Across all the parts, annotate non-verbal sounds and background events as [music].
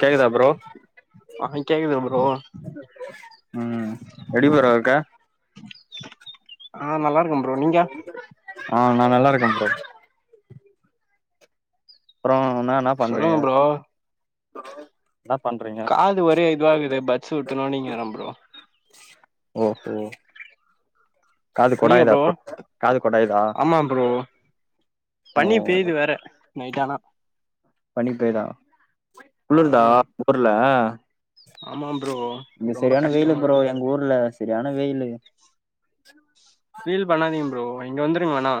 கேக்குதா ப்ரோ ஆ கேக்குது ப்ரோ ம் எப்டி புரோ இருக்க ஆ நல்லா இருக்கே ப்ரோ நீங்க ஆ நா நல்லா இருக்க ப்ரோ அப்றோ என்னா என்னா சொல்லுங்க பண்றீங்க ப்ரோ என்ன பண்றீங்க காது ஒரே இதுவாகுது பட்ஸ் உட்டணுண்ணீங்க ப்ரோ ஓகே ஓக் நீங்க ப்ரோ ஆமா ப்ரோ ஓ பனி பெய்யுது வேற நைட் ஆனா பனி பெய்யுதா ஆ குளிர்தா உங்க ஊர்ல ஆமா ப்ரோ இங்க ரொம்ப சரியான வெயிலு கஷ்டமா ப்ரோ இருக்குது எங்க ஊர்ல சரியான வெயிலு பீல் பண்ணாதிங்க ப்ரோ இங்க வந்துருங்க வேணா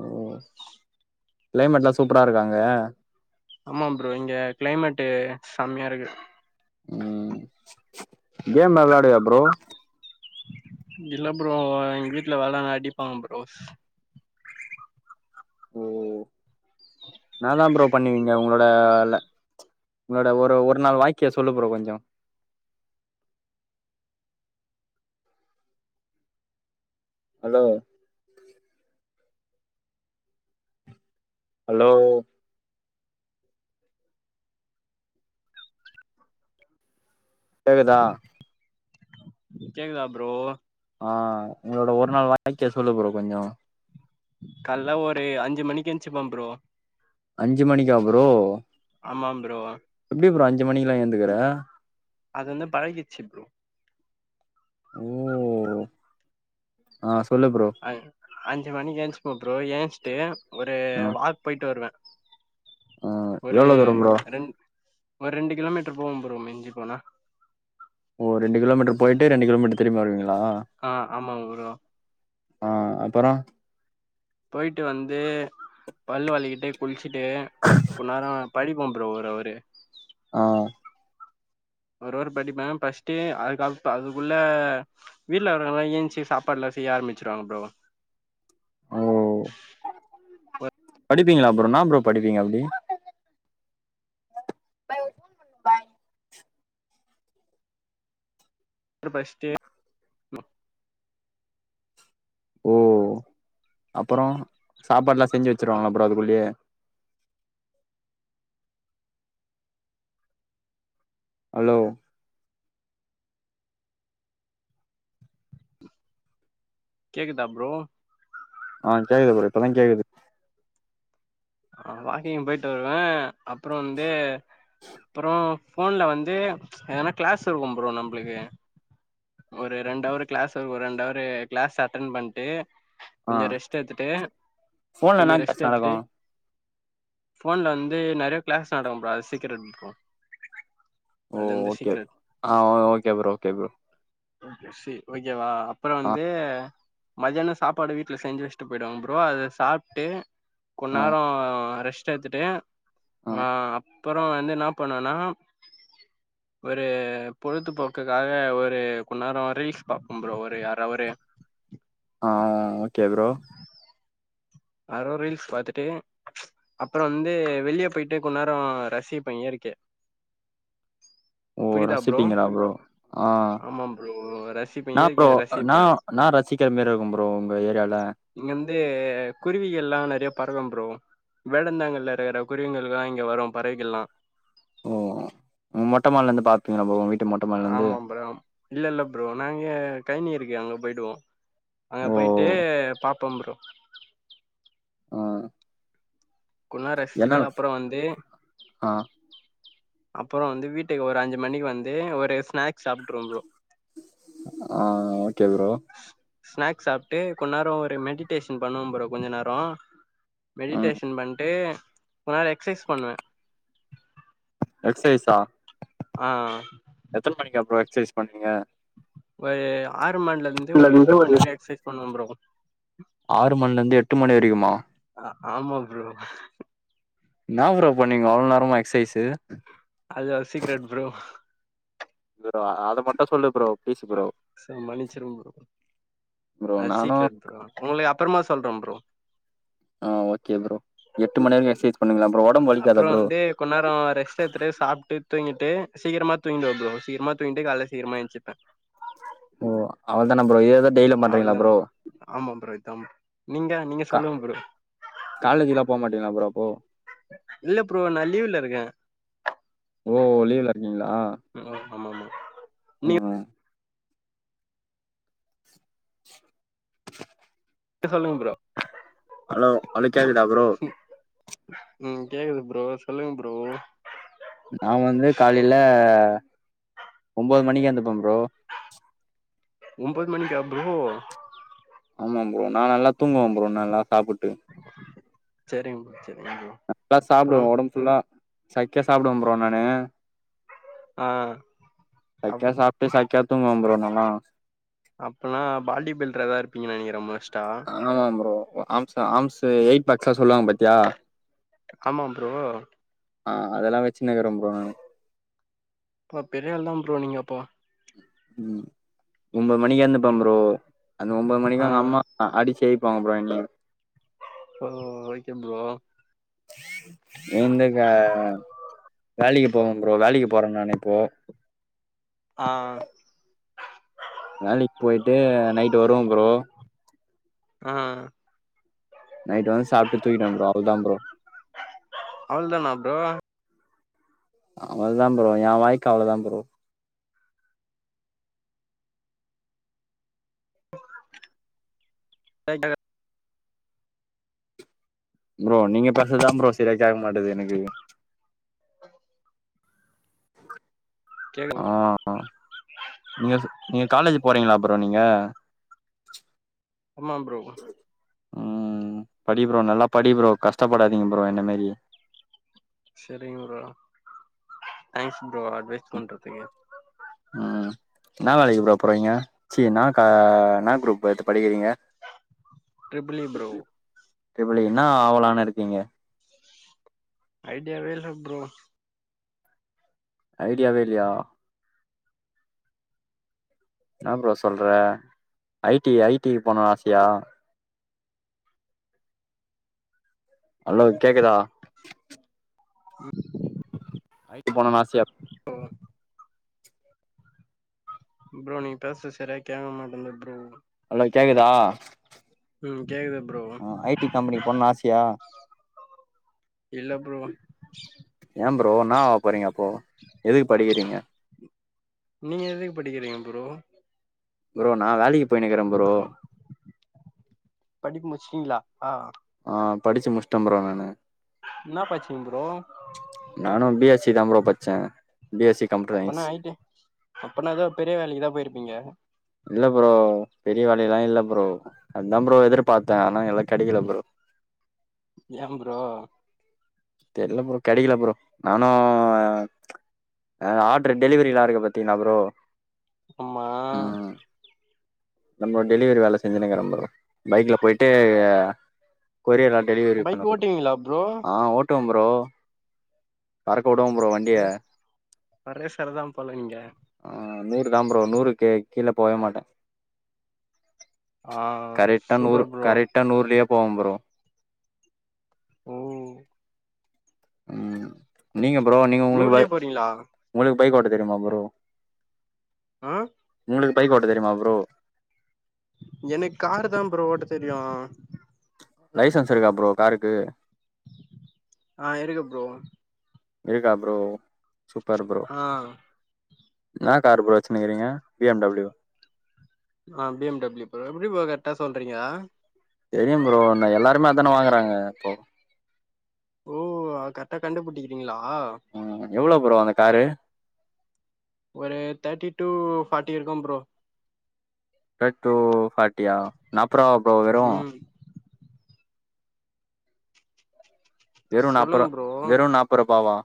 ஓ கிளைமேட்லா சூப்பரா இருக்கா அங்க ஆமா ப்ரோ இங்க கிளைமேட்டு செமையா இருக்கு ம் கேம் வெள்லாடுவியா ப்ரோ இல்ல ப்ரோ எங்க வீட்ல வெளான்டா அடிப்பாங்க ப்ரோஸ் ஓ என்னா தா ப்ரோ பண்ணுவீங்க உங்கள டல்ல உங்களோட ஒரு ஒரு நாள் வாழ்க்கைய சொல்லு ப்ரோ கொஞ்சோ ஹலோ ஹலோ கேக்குதா கேக்குதா ப்ரோ ஆ உங்களோட ஒரு நாள் வாழ்க்கய சொல்லு ப்ரோ கொஞ்சோ கால்ல ஒரு அஞ்சு மணிக்கு எஞ்சுப்ப ப்ரோ அஞ்சு மணிக்கா ப்ரோ ஆமா ப்ரோ எப்டி ப்ரோ அஞ்சு மணிக் எல்லா எந்துக்குற அது வந்து பழகிச்சு ப்ரோ ஓ ஆ சொல்லு ப்ரோ அஞ் அஞ்சு மணிக்கு ஏஞ்சுப்ப ப்ரோ ஏஞ்சுட்டு ஒரு ஆ வாக் போயிட்டு வருவே ஆ ஒரு எவ்ளோ தூரம் ப்ரோ ரெண் ஒரு ரெண்டு கிலோமீட்டர் போவே ப்ரோ மிஞ்சி போனா ஓ ரெண்டு கிலோமீட்டர் போயிட்டு ரெண்டு கிலோமீட்டர் திரும்பி வருவீங்ளா ஆ ஆமா ப்ரோ ஆ அப்பறோ போய்ட்டு வந்து பல் வெளக்கிட்டு குளிச்சுட்டு கொஞ் நேரோ படிப் ப ப்ரோ ஒரு அவரு ஆ ஒரு அவரு படிப்பே பச்சிட்டு அது கப் அதுக்குள்ள வீட்ல இருகவங்ல ஏஞ்ச்சு சாப்பாடு எல்லா செய்ய ஆரம்பிச்சுருவாங்க ப்ரோ படிப்பீங்ளா ப்ரோ என்னா ப்ரோ படிப்பீங்க அப்டி பை பாய் அப்ர பச்ட்டு ஓ அப்றோ சாப்பாடு எல்லா செஞ்சு அப் வச்சருவாங்களா ப்ரோ அதுக்குள்ளேயே ஹலோ கேக்குதா ப்ரோ ஆ கேக்குது ப்ரோ இப்பதாங் கேக்குது ஆ வாக்கிங் போயிட்டு வருவேன் அப்புறம் வந்து அப்புறம் ஃபோன்ல வந்து எதனா கிளாஸ் இருக்கும் ப்ரோ நம்மளுக்கு ஒரு ரெண்டவரு கிளாஸ் இருக்கும் ஒரு ரெண்டவரு கிளாஸ் அட்டன் பண்ணிட்டு ஆ கொஞ்சம் ரெஸ்ட் எடுத்துட்டு ஃபோன்ல என்னா கொஞ்சம் ரெஸ்ட் கிளாஸ் நடக்கு எடுத்துட்டு ஃபோன்ல வந்து நெறைய கிளாஸ் நடக்க கூடாது அது சீக்ரெட்க்கும் ஓ அது வந்து ஓகே சீக்ரெட் ஆ ஓகே ஓகே ப்ரோ சரி ஓகேவா அப்புறம் ஆ வந்து மதியானம் சாப்பாடு வீட்டுல செஞ்சு வச்சிட்டு போயிடுவாங்க ப்ரோ அதை சாப்பிட்டு கொண் ஆ நேரம் ரெஸ்ட் எத்துட்டு ஆ அப்புறம் வந்து என்ன பண்ணேனா ஒரு பொழுதுபோக்குக்காக ஒரு கொ நேரம் ரீல்ஸ் பாப்பேன் ப்ரோ ஒரு யார ஒரு ஆ ஓகே ப்ரோ யாரோ ரீல்ஸ் பாத்துட்டு அப்புறம் வந்து வெளியே போய்ட்டு கொஞ்ச நேரம் ரசிப்பே‌ இயற்கைய ஓ ரசிப்பீங்களா ப்ரோ ஆ ஆமா ப்ரோ ரசிப்பே என்ன இயற்கைய ப்ரோ ரசிப்பே நான் நான் ரசிக்கிற மாறி இருக்கும் ப்ரோ உங்க ஏரியால இங்க வந்து குருவிகள்லாம் நெறைய பறக்கும் ப்ரோ வேடந்தாங்கில்ல இருக்கிற குருவிகள்லாம் இங்கே வரும் பறவைகள்லாம் ஓ உ மொட்டமாடிலருந்து பாப்பீங்களா ப்ரோ உங் ஆமா ப்ரோ இல்ல இல்ல ப்ரோ நாங்க கைனி இருக்கே அங்க போயிடுவோம் அங்க ஓ போயிட்டு பாப்போம் ப்ரோ ம் கொஞ்ச நேரம் ரசிச்சுட்டு அப்புறம் வந்து ஆ அப்புறம் வந்து வீட்டுக்கு ஒரு அஞ்சு மணிக்கு வந்து ஒரு ஸ்நாக்ஸ் சாப்ருவோம் ப்ரோ ஆ ஓகே ப்ரோ ஸ்நாக்ஸ் சாப்பிட்டு கொஞ்ச நேரம் ஒரு மெடிடேஷன் பண்ணுவே ப்ரோ கொஞ்ச நேரம் ம் மெடிடேஷன் பண்ணிட்டு கொஞ்ச நேர எக்ஸசைஸ் பண்ணுவேன் எக்ஸைஸா ஆ எத்தனை மணிக்கு அப்புறம் எக்சசைஸ் பண்ணுவீங்க ஒரு ஆறு மணிலருந்து ஒரு எட்டு மணி வரை எக்சசைஸ் பண்ணுவே ப்ரோ ஆறு மணில இருந்து எட்டு மணி வரைக்குமா ஆ ஆமா ப்ரோ நா ப்ரோ பண்ணீங்க அவ்ளோ நேரமா எக்ஸ்சைஸு அது ஒரு சீக்கரெட் ப்ரோ அ மட்டும் சொல்லு ப்ரோ பிளீஸ் ப்ரோ சோ மன்னிச்சிருங்க ப்ரோ ப்ரோ அது நானும் சீக்ரெட் ப்ரோ உங்களுக்கு அப்புறமா சொல்றோம் ப்ரோ ஆ ஓகே பரோ எட்டுணி வரைக்கும் எக்சசைஸ் பண்ணங்களாம் ப்ரோ உடம்பு வலிக்காதா ப்ரோ கொண் நெரம் ரெஸ்ட் எடுத்துட்டு சாப்டு தூங்கிட்டு சீக்கிரமா தூங்கிடுவே ப்ரோ சீக்கிரமா தூங்கிட்டு கால சீக்ரமா எஞ்ச்சுப்பேன் ஓ அவள தானா ப்ரோ டெய்லியு பண்றீங்களா அவ்ளதா ப்ரோ ஆமா ப்ரோ இத்த நீங்க நீங்க சொல்லுங்க ப்ரோ காலேஜ்லாம் போ மாட்டீங்களா ப்ரோ அப்போ இல்ல ப்ரோ நா லீவ்ல இருக்கேன் ஓ லீவ்ல இருக்கீங்களா ஆ ஆமா ம் [unintelligible] சொல்லுங்க ப்ரோ ஹலோ அலோ கேக்குதா ப்ரோ உம் கேக்குது ப்ரோ சொல்லுங்க ப்ரோ நா வந்து காலையில ஒம்பது மணிக்கு எந்துப்பேன் ப்ரோ ஒம்பது மணிக்கா ப்ரோ ஆமா ப்ரோ நா நல்லா தூங்குவன் ப்ரோ நல்லா சாப்புட்டு செரிங்க ப்ரோ செரிங் ப்ரோ நல்லா அப்புறோ சாப்டுவேன் ஒடம்பு ஃபுல்லா சக்கியா சாப்டுவேன் ப்ரோ நானு ஆ அப் சக்கியா சாப்ட்டு சக்கியா தூங்குவ ப்ரோ நல்லா அப்போல்லா பாடி பில்டரரா இருப்பீங்கன்னு நெனைக்கிறே ரொம்ப வஸ்டா ஆமா ப்ரோ ஆம் ஆம்ஸ் எயிட் பாஸ்லாம் சொல்லுவாங்க பாத்தியா ஆமா ப்ரோ ஆ அதெல்லாம் வச்சுனுங்குற ப்ரோ நானு ஓ பெரியாள் தா ப்ரோ நீங்க அப்போ உம் ஒன்பது மணிக்கு எந்திப்பே ப்ரோ அந்த ஒன்பது மணிக்கு ஆ எங்க அம்மா ஆ அடிச்சு எழ்ப்புவாங்க ப்ரோ எங்ள ஓ ஓகே ப்ரோ எந்தக்க வேலைக்கு போவோ ப்ரோ வேலைக்கு போறேம் நானு இப்போ ஆ வேலைக்கு போயிட்டு நைட்டு வருவே ப்ரோ ஆ நைட்டு வந்து சாப்ட்டு தூக்கிட்வே ப்ரோ அவ்ளோ தா ப்ரோ அவ்ள் தானா ப்ரோ அவ்ள தா ப்ரோ ய வாய்க்கு அவ்ள தா ப்ரோ பேய் கத ப்ரோ நீங்க பேச தான் ப்ரோ சீரா கேட்க மாட்டேது எனக்கு கேக்கு ஆ நீங்க ஸு நீங்க காலேஜ் போறீங்களா ப்ரோ நீங்க ஆமாம் ப்ரோ ம் படி ப்ரோ நல்லா படி ப்ரோ கஷ்டப்படாதீங்க ப்ரோ என்ன மாரி சரிங்க ப்ரா தேங்ஸ் ப்ரோ அட்வைஸ் பண்றதுக்கு உம் என்னா வேலைக்கு ப்ரோ போறீங்க ச்சி என்னா கா என்னா குரூப் எத்து படிக்கிறீங்க triple E bro triple E என்ன ஆவலான்னு இருக்கீங்க ஐடியாவே இல்ல ப்ரோ ஐடியாவே இல்லையா என்ன ப்ரோ சொல்ற ஐ டி ஐ டி க்கு போனும் ஆசையா அலோ கேக்குதா [inaudible] ஆய்ட்டு போன நாஸ்த்தியா ஓ ப்ரோ நீ பேசுறது சரியா கேக்க மாட்டேந்து ப்ரோ ஹலோ கேக்குதா ம் கேக்குது ப்ரோ ஆ ஐ டி கம்பெனிக்கு போணுனு ஆசையா இல்ல ப்ரோ ஏ ப்ரோ என்னாவாக போறீங்க அப்போ எதுக்கு படிக்கிறீங்க நீங்க எதுக்கு படிக்கிறீங்க ப்ரோ ப்ரோ நா வேலைக்கு போயின்கிறே ப்ரோ படிப்பு முடிச்சிட்டீங்களா ஆ ஆ படிச்சு முஷ்ட ப்ரோ நானு என்னா பச்சிங் ப்ரோ நானும் பி எஸ் சி தா ப்ரோ பச்சன் B S C computer science okay அப்பனா எதனா பெரிய வேலைக்குதா போயிருப்பீங்க இல்ல ப்ரோ பெரிய வேலயெல்லா இல்ல ப்ரோ அதுதா ப்ரோ எதிர்பார்த்தே ஆனா எல்லா கெடைக்கல ப்ரோ ஏ ப்ரோ தெர்ல ப்ரோ கெடைக்கல ப்ரோ நானு அ ஆடரு டெலிவரியிலா இருக்கு பாத்தீங்களா ப்ரோ ஆமா ம் நம்ம டெலிவரி வேல செஞ்சுனுங்கற ப்ரோ பைக்ல போய்ட்டு கொரியர்லா டெலிவரி பைக் பண்ணணும் ஓட்டுவீங்களா ப்ரோ ஆ ஓட் டுவ ப்ரோ பறக்க விடுவோ ப்ரோ வண்டிய வர்ற சரதா போல நீங்க ஆ நூறு தா ப்ரோ நூறுக்கு கீழ போவே மாட்டே ஆ கரெட்டா நூறு சூப்பர் ப்ரோ கரெட்டா நூறுலயே போவ ப்ரோ ஓ ம் நீங்க ப்ரோ நீங்க நூர்லயே உங்களுக் போறீங்களா உங்களுக்கு பைக் ஓட்ட தெரியுமா ப்ரோ ஆ உங்களுக்கு பைக் ஓட்ட தெரியுமா ப்ரோ எனக்கு காரு தா ப்ரோ ஓட்ட தெரியு லைசென்ஸ் இருக்கா ப்ரோ காருக்கு ஆ இருக்கு ப்ரோ இருக்கா ப்ரோ சூப்பர் ப்ரோ ஆ என்னா கார் ப்ரோ வச்சுனுக்கிறீங்க பி எம் டபிள்யூ ஆ பி எம் டபள்யூ ப்ரோ எப்டி ப்ரோ கரெக்டா சொல்றீங்க தெரியும் ப்ரோ ந எல்லாருமே அத தானே வாங்குறாங்க இப்போ ஓ அத கரெக்டா கண்டுபிடிக்கிறீங்களா ம் எவ்ளோ ப்ரோ அந்த காரு ஒரு தேட்டி டு ஃபாட்டி இருக்கு ப்ரோ தேட்ரு ஃபாட்டியா நாப்புராவா ப்ரோ வெறும் ம் வெறும் நாப்புறா சொல்லுங்க ப்ரோ வெறும் நாப்புறாவா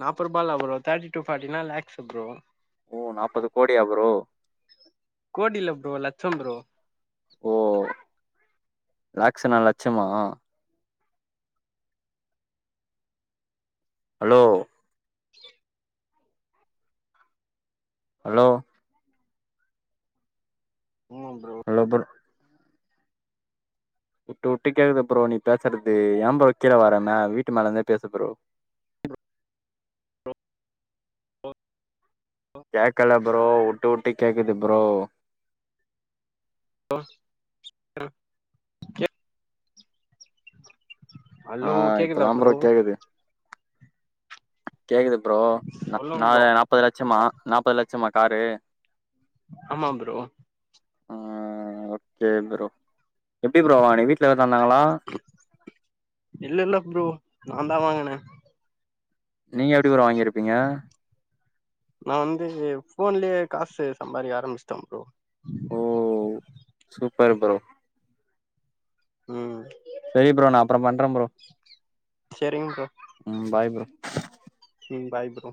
நாப்புறா தான் ப்ரோ ரூபால அப்ரோ தேட்டி டு ஃபாட்டினா லாக்ஸ் ப்ரோ ஒ நாப்பது கோடியாஆ ப்ரோ கோடி இல்ல ப்ரோ லட்சம் ப்ரோ ஓ லேக்ஸ் நா லட்சமா ஹலோ அலோ ம் ப்ரோ இல்ல ப்ரோ உட்டு உட்டு கேக்குது ப்ரோ நீ பேசறது ஏ ப்ரோ கீழ வர மே வீட்டு மேல இருந்தே பேசு ப்ரோ [inaudible] கேக்கல ப்ரோ உட்டு உட்டு கேக்குது ப்ரோ [inaudible] ஆ அலோ கேக்குதா இப்பதா ப்ரோ கேக்குது கேக்குது ப்ரோ ந சொல்லுங்க நாலு ப்ரோ நாப்பது லட்சமா நாப்பது லட்சமா காரு ஆமா ப்ரோ ஆ ஓகே ப்ரோ எப்டி ப்ரோ வாங்கன வீட்ல எதா தந்தாங்களா இல்ல இல்ல ப்ரோ நா தா வாங்கன நீங்க எப்டி ப்ரோ வாங்கிருப்பீங்க நா வந்து ஃபோன்லயே காசு சம்பாரிக்க ஆரமிச்சுட்ட ப்ரோ ஓ சூப்பர் ப்ரோ ம் செரி ப்ரோ நா அப்பற பண்ற ப்ரோ சரிங்க ம் பாய் ப்ரோ ம் பாய் ப்ரோ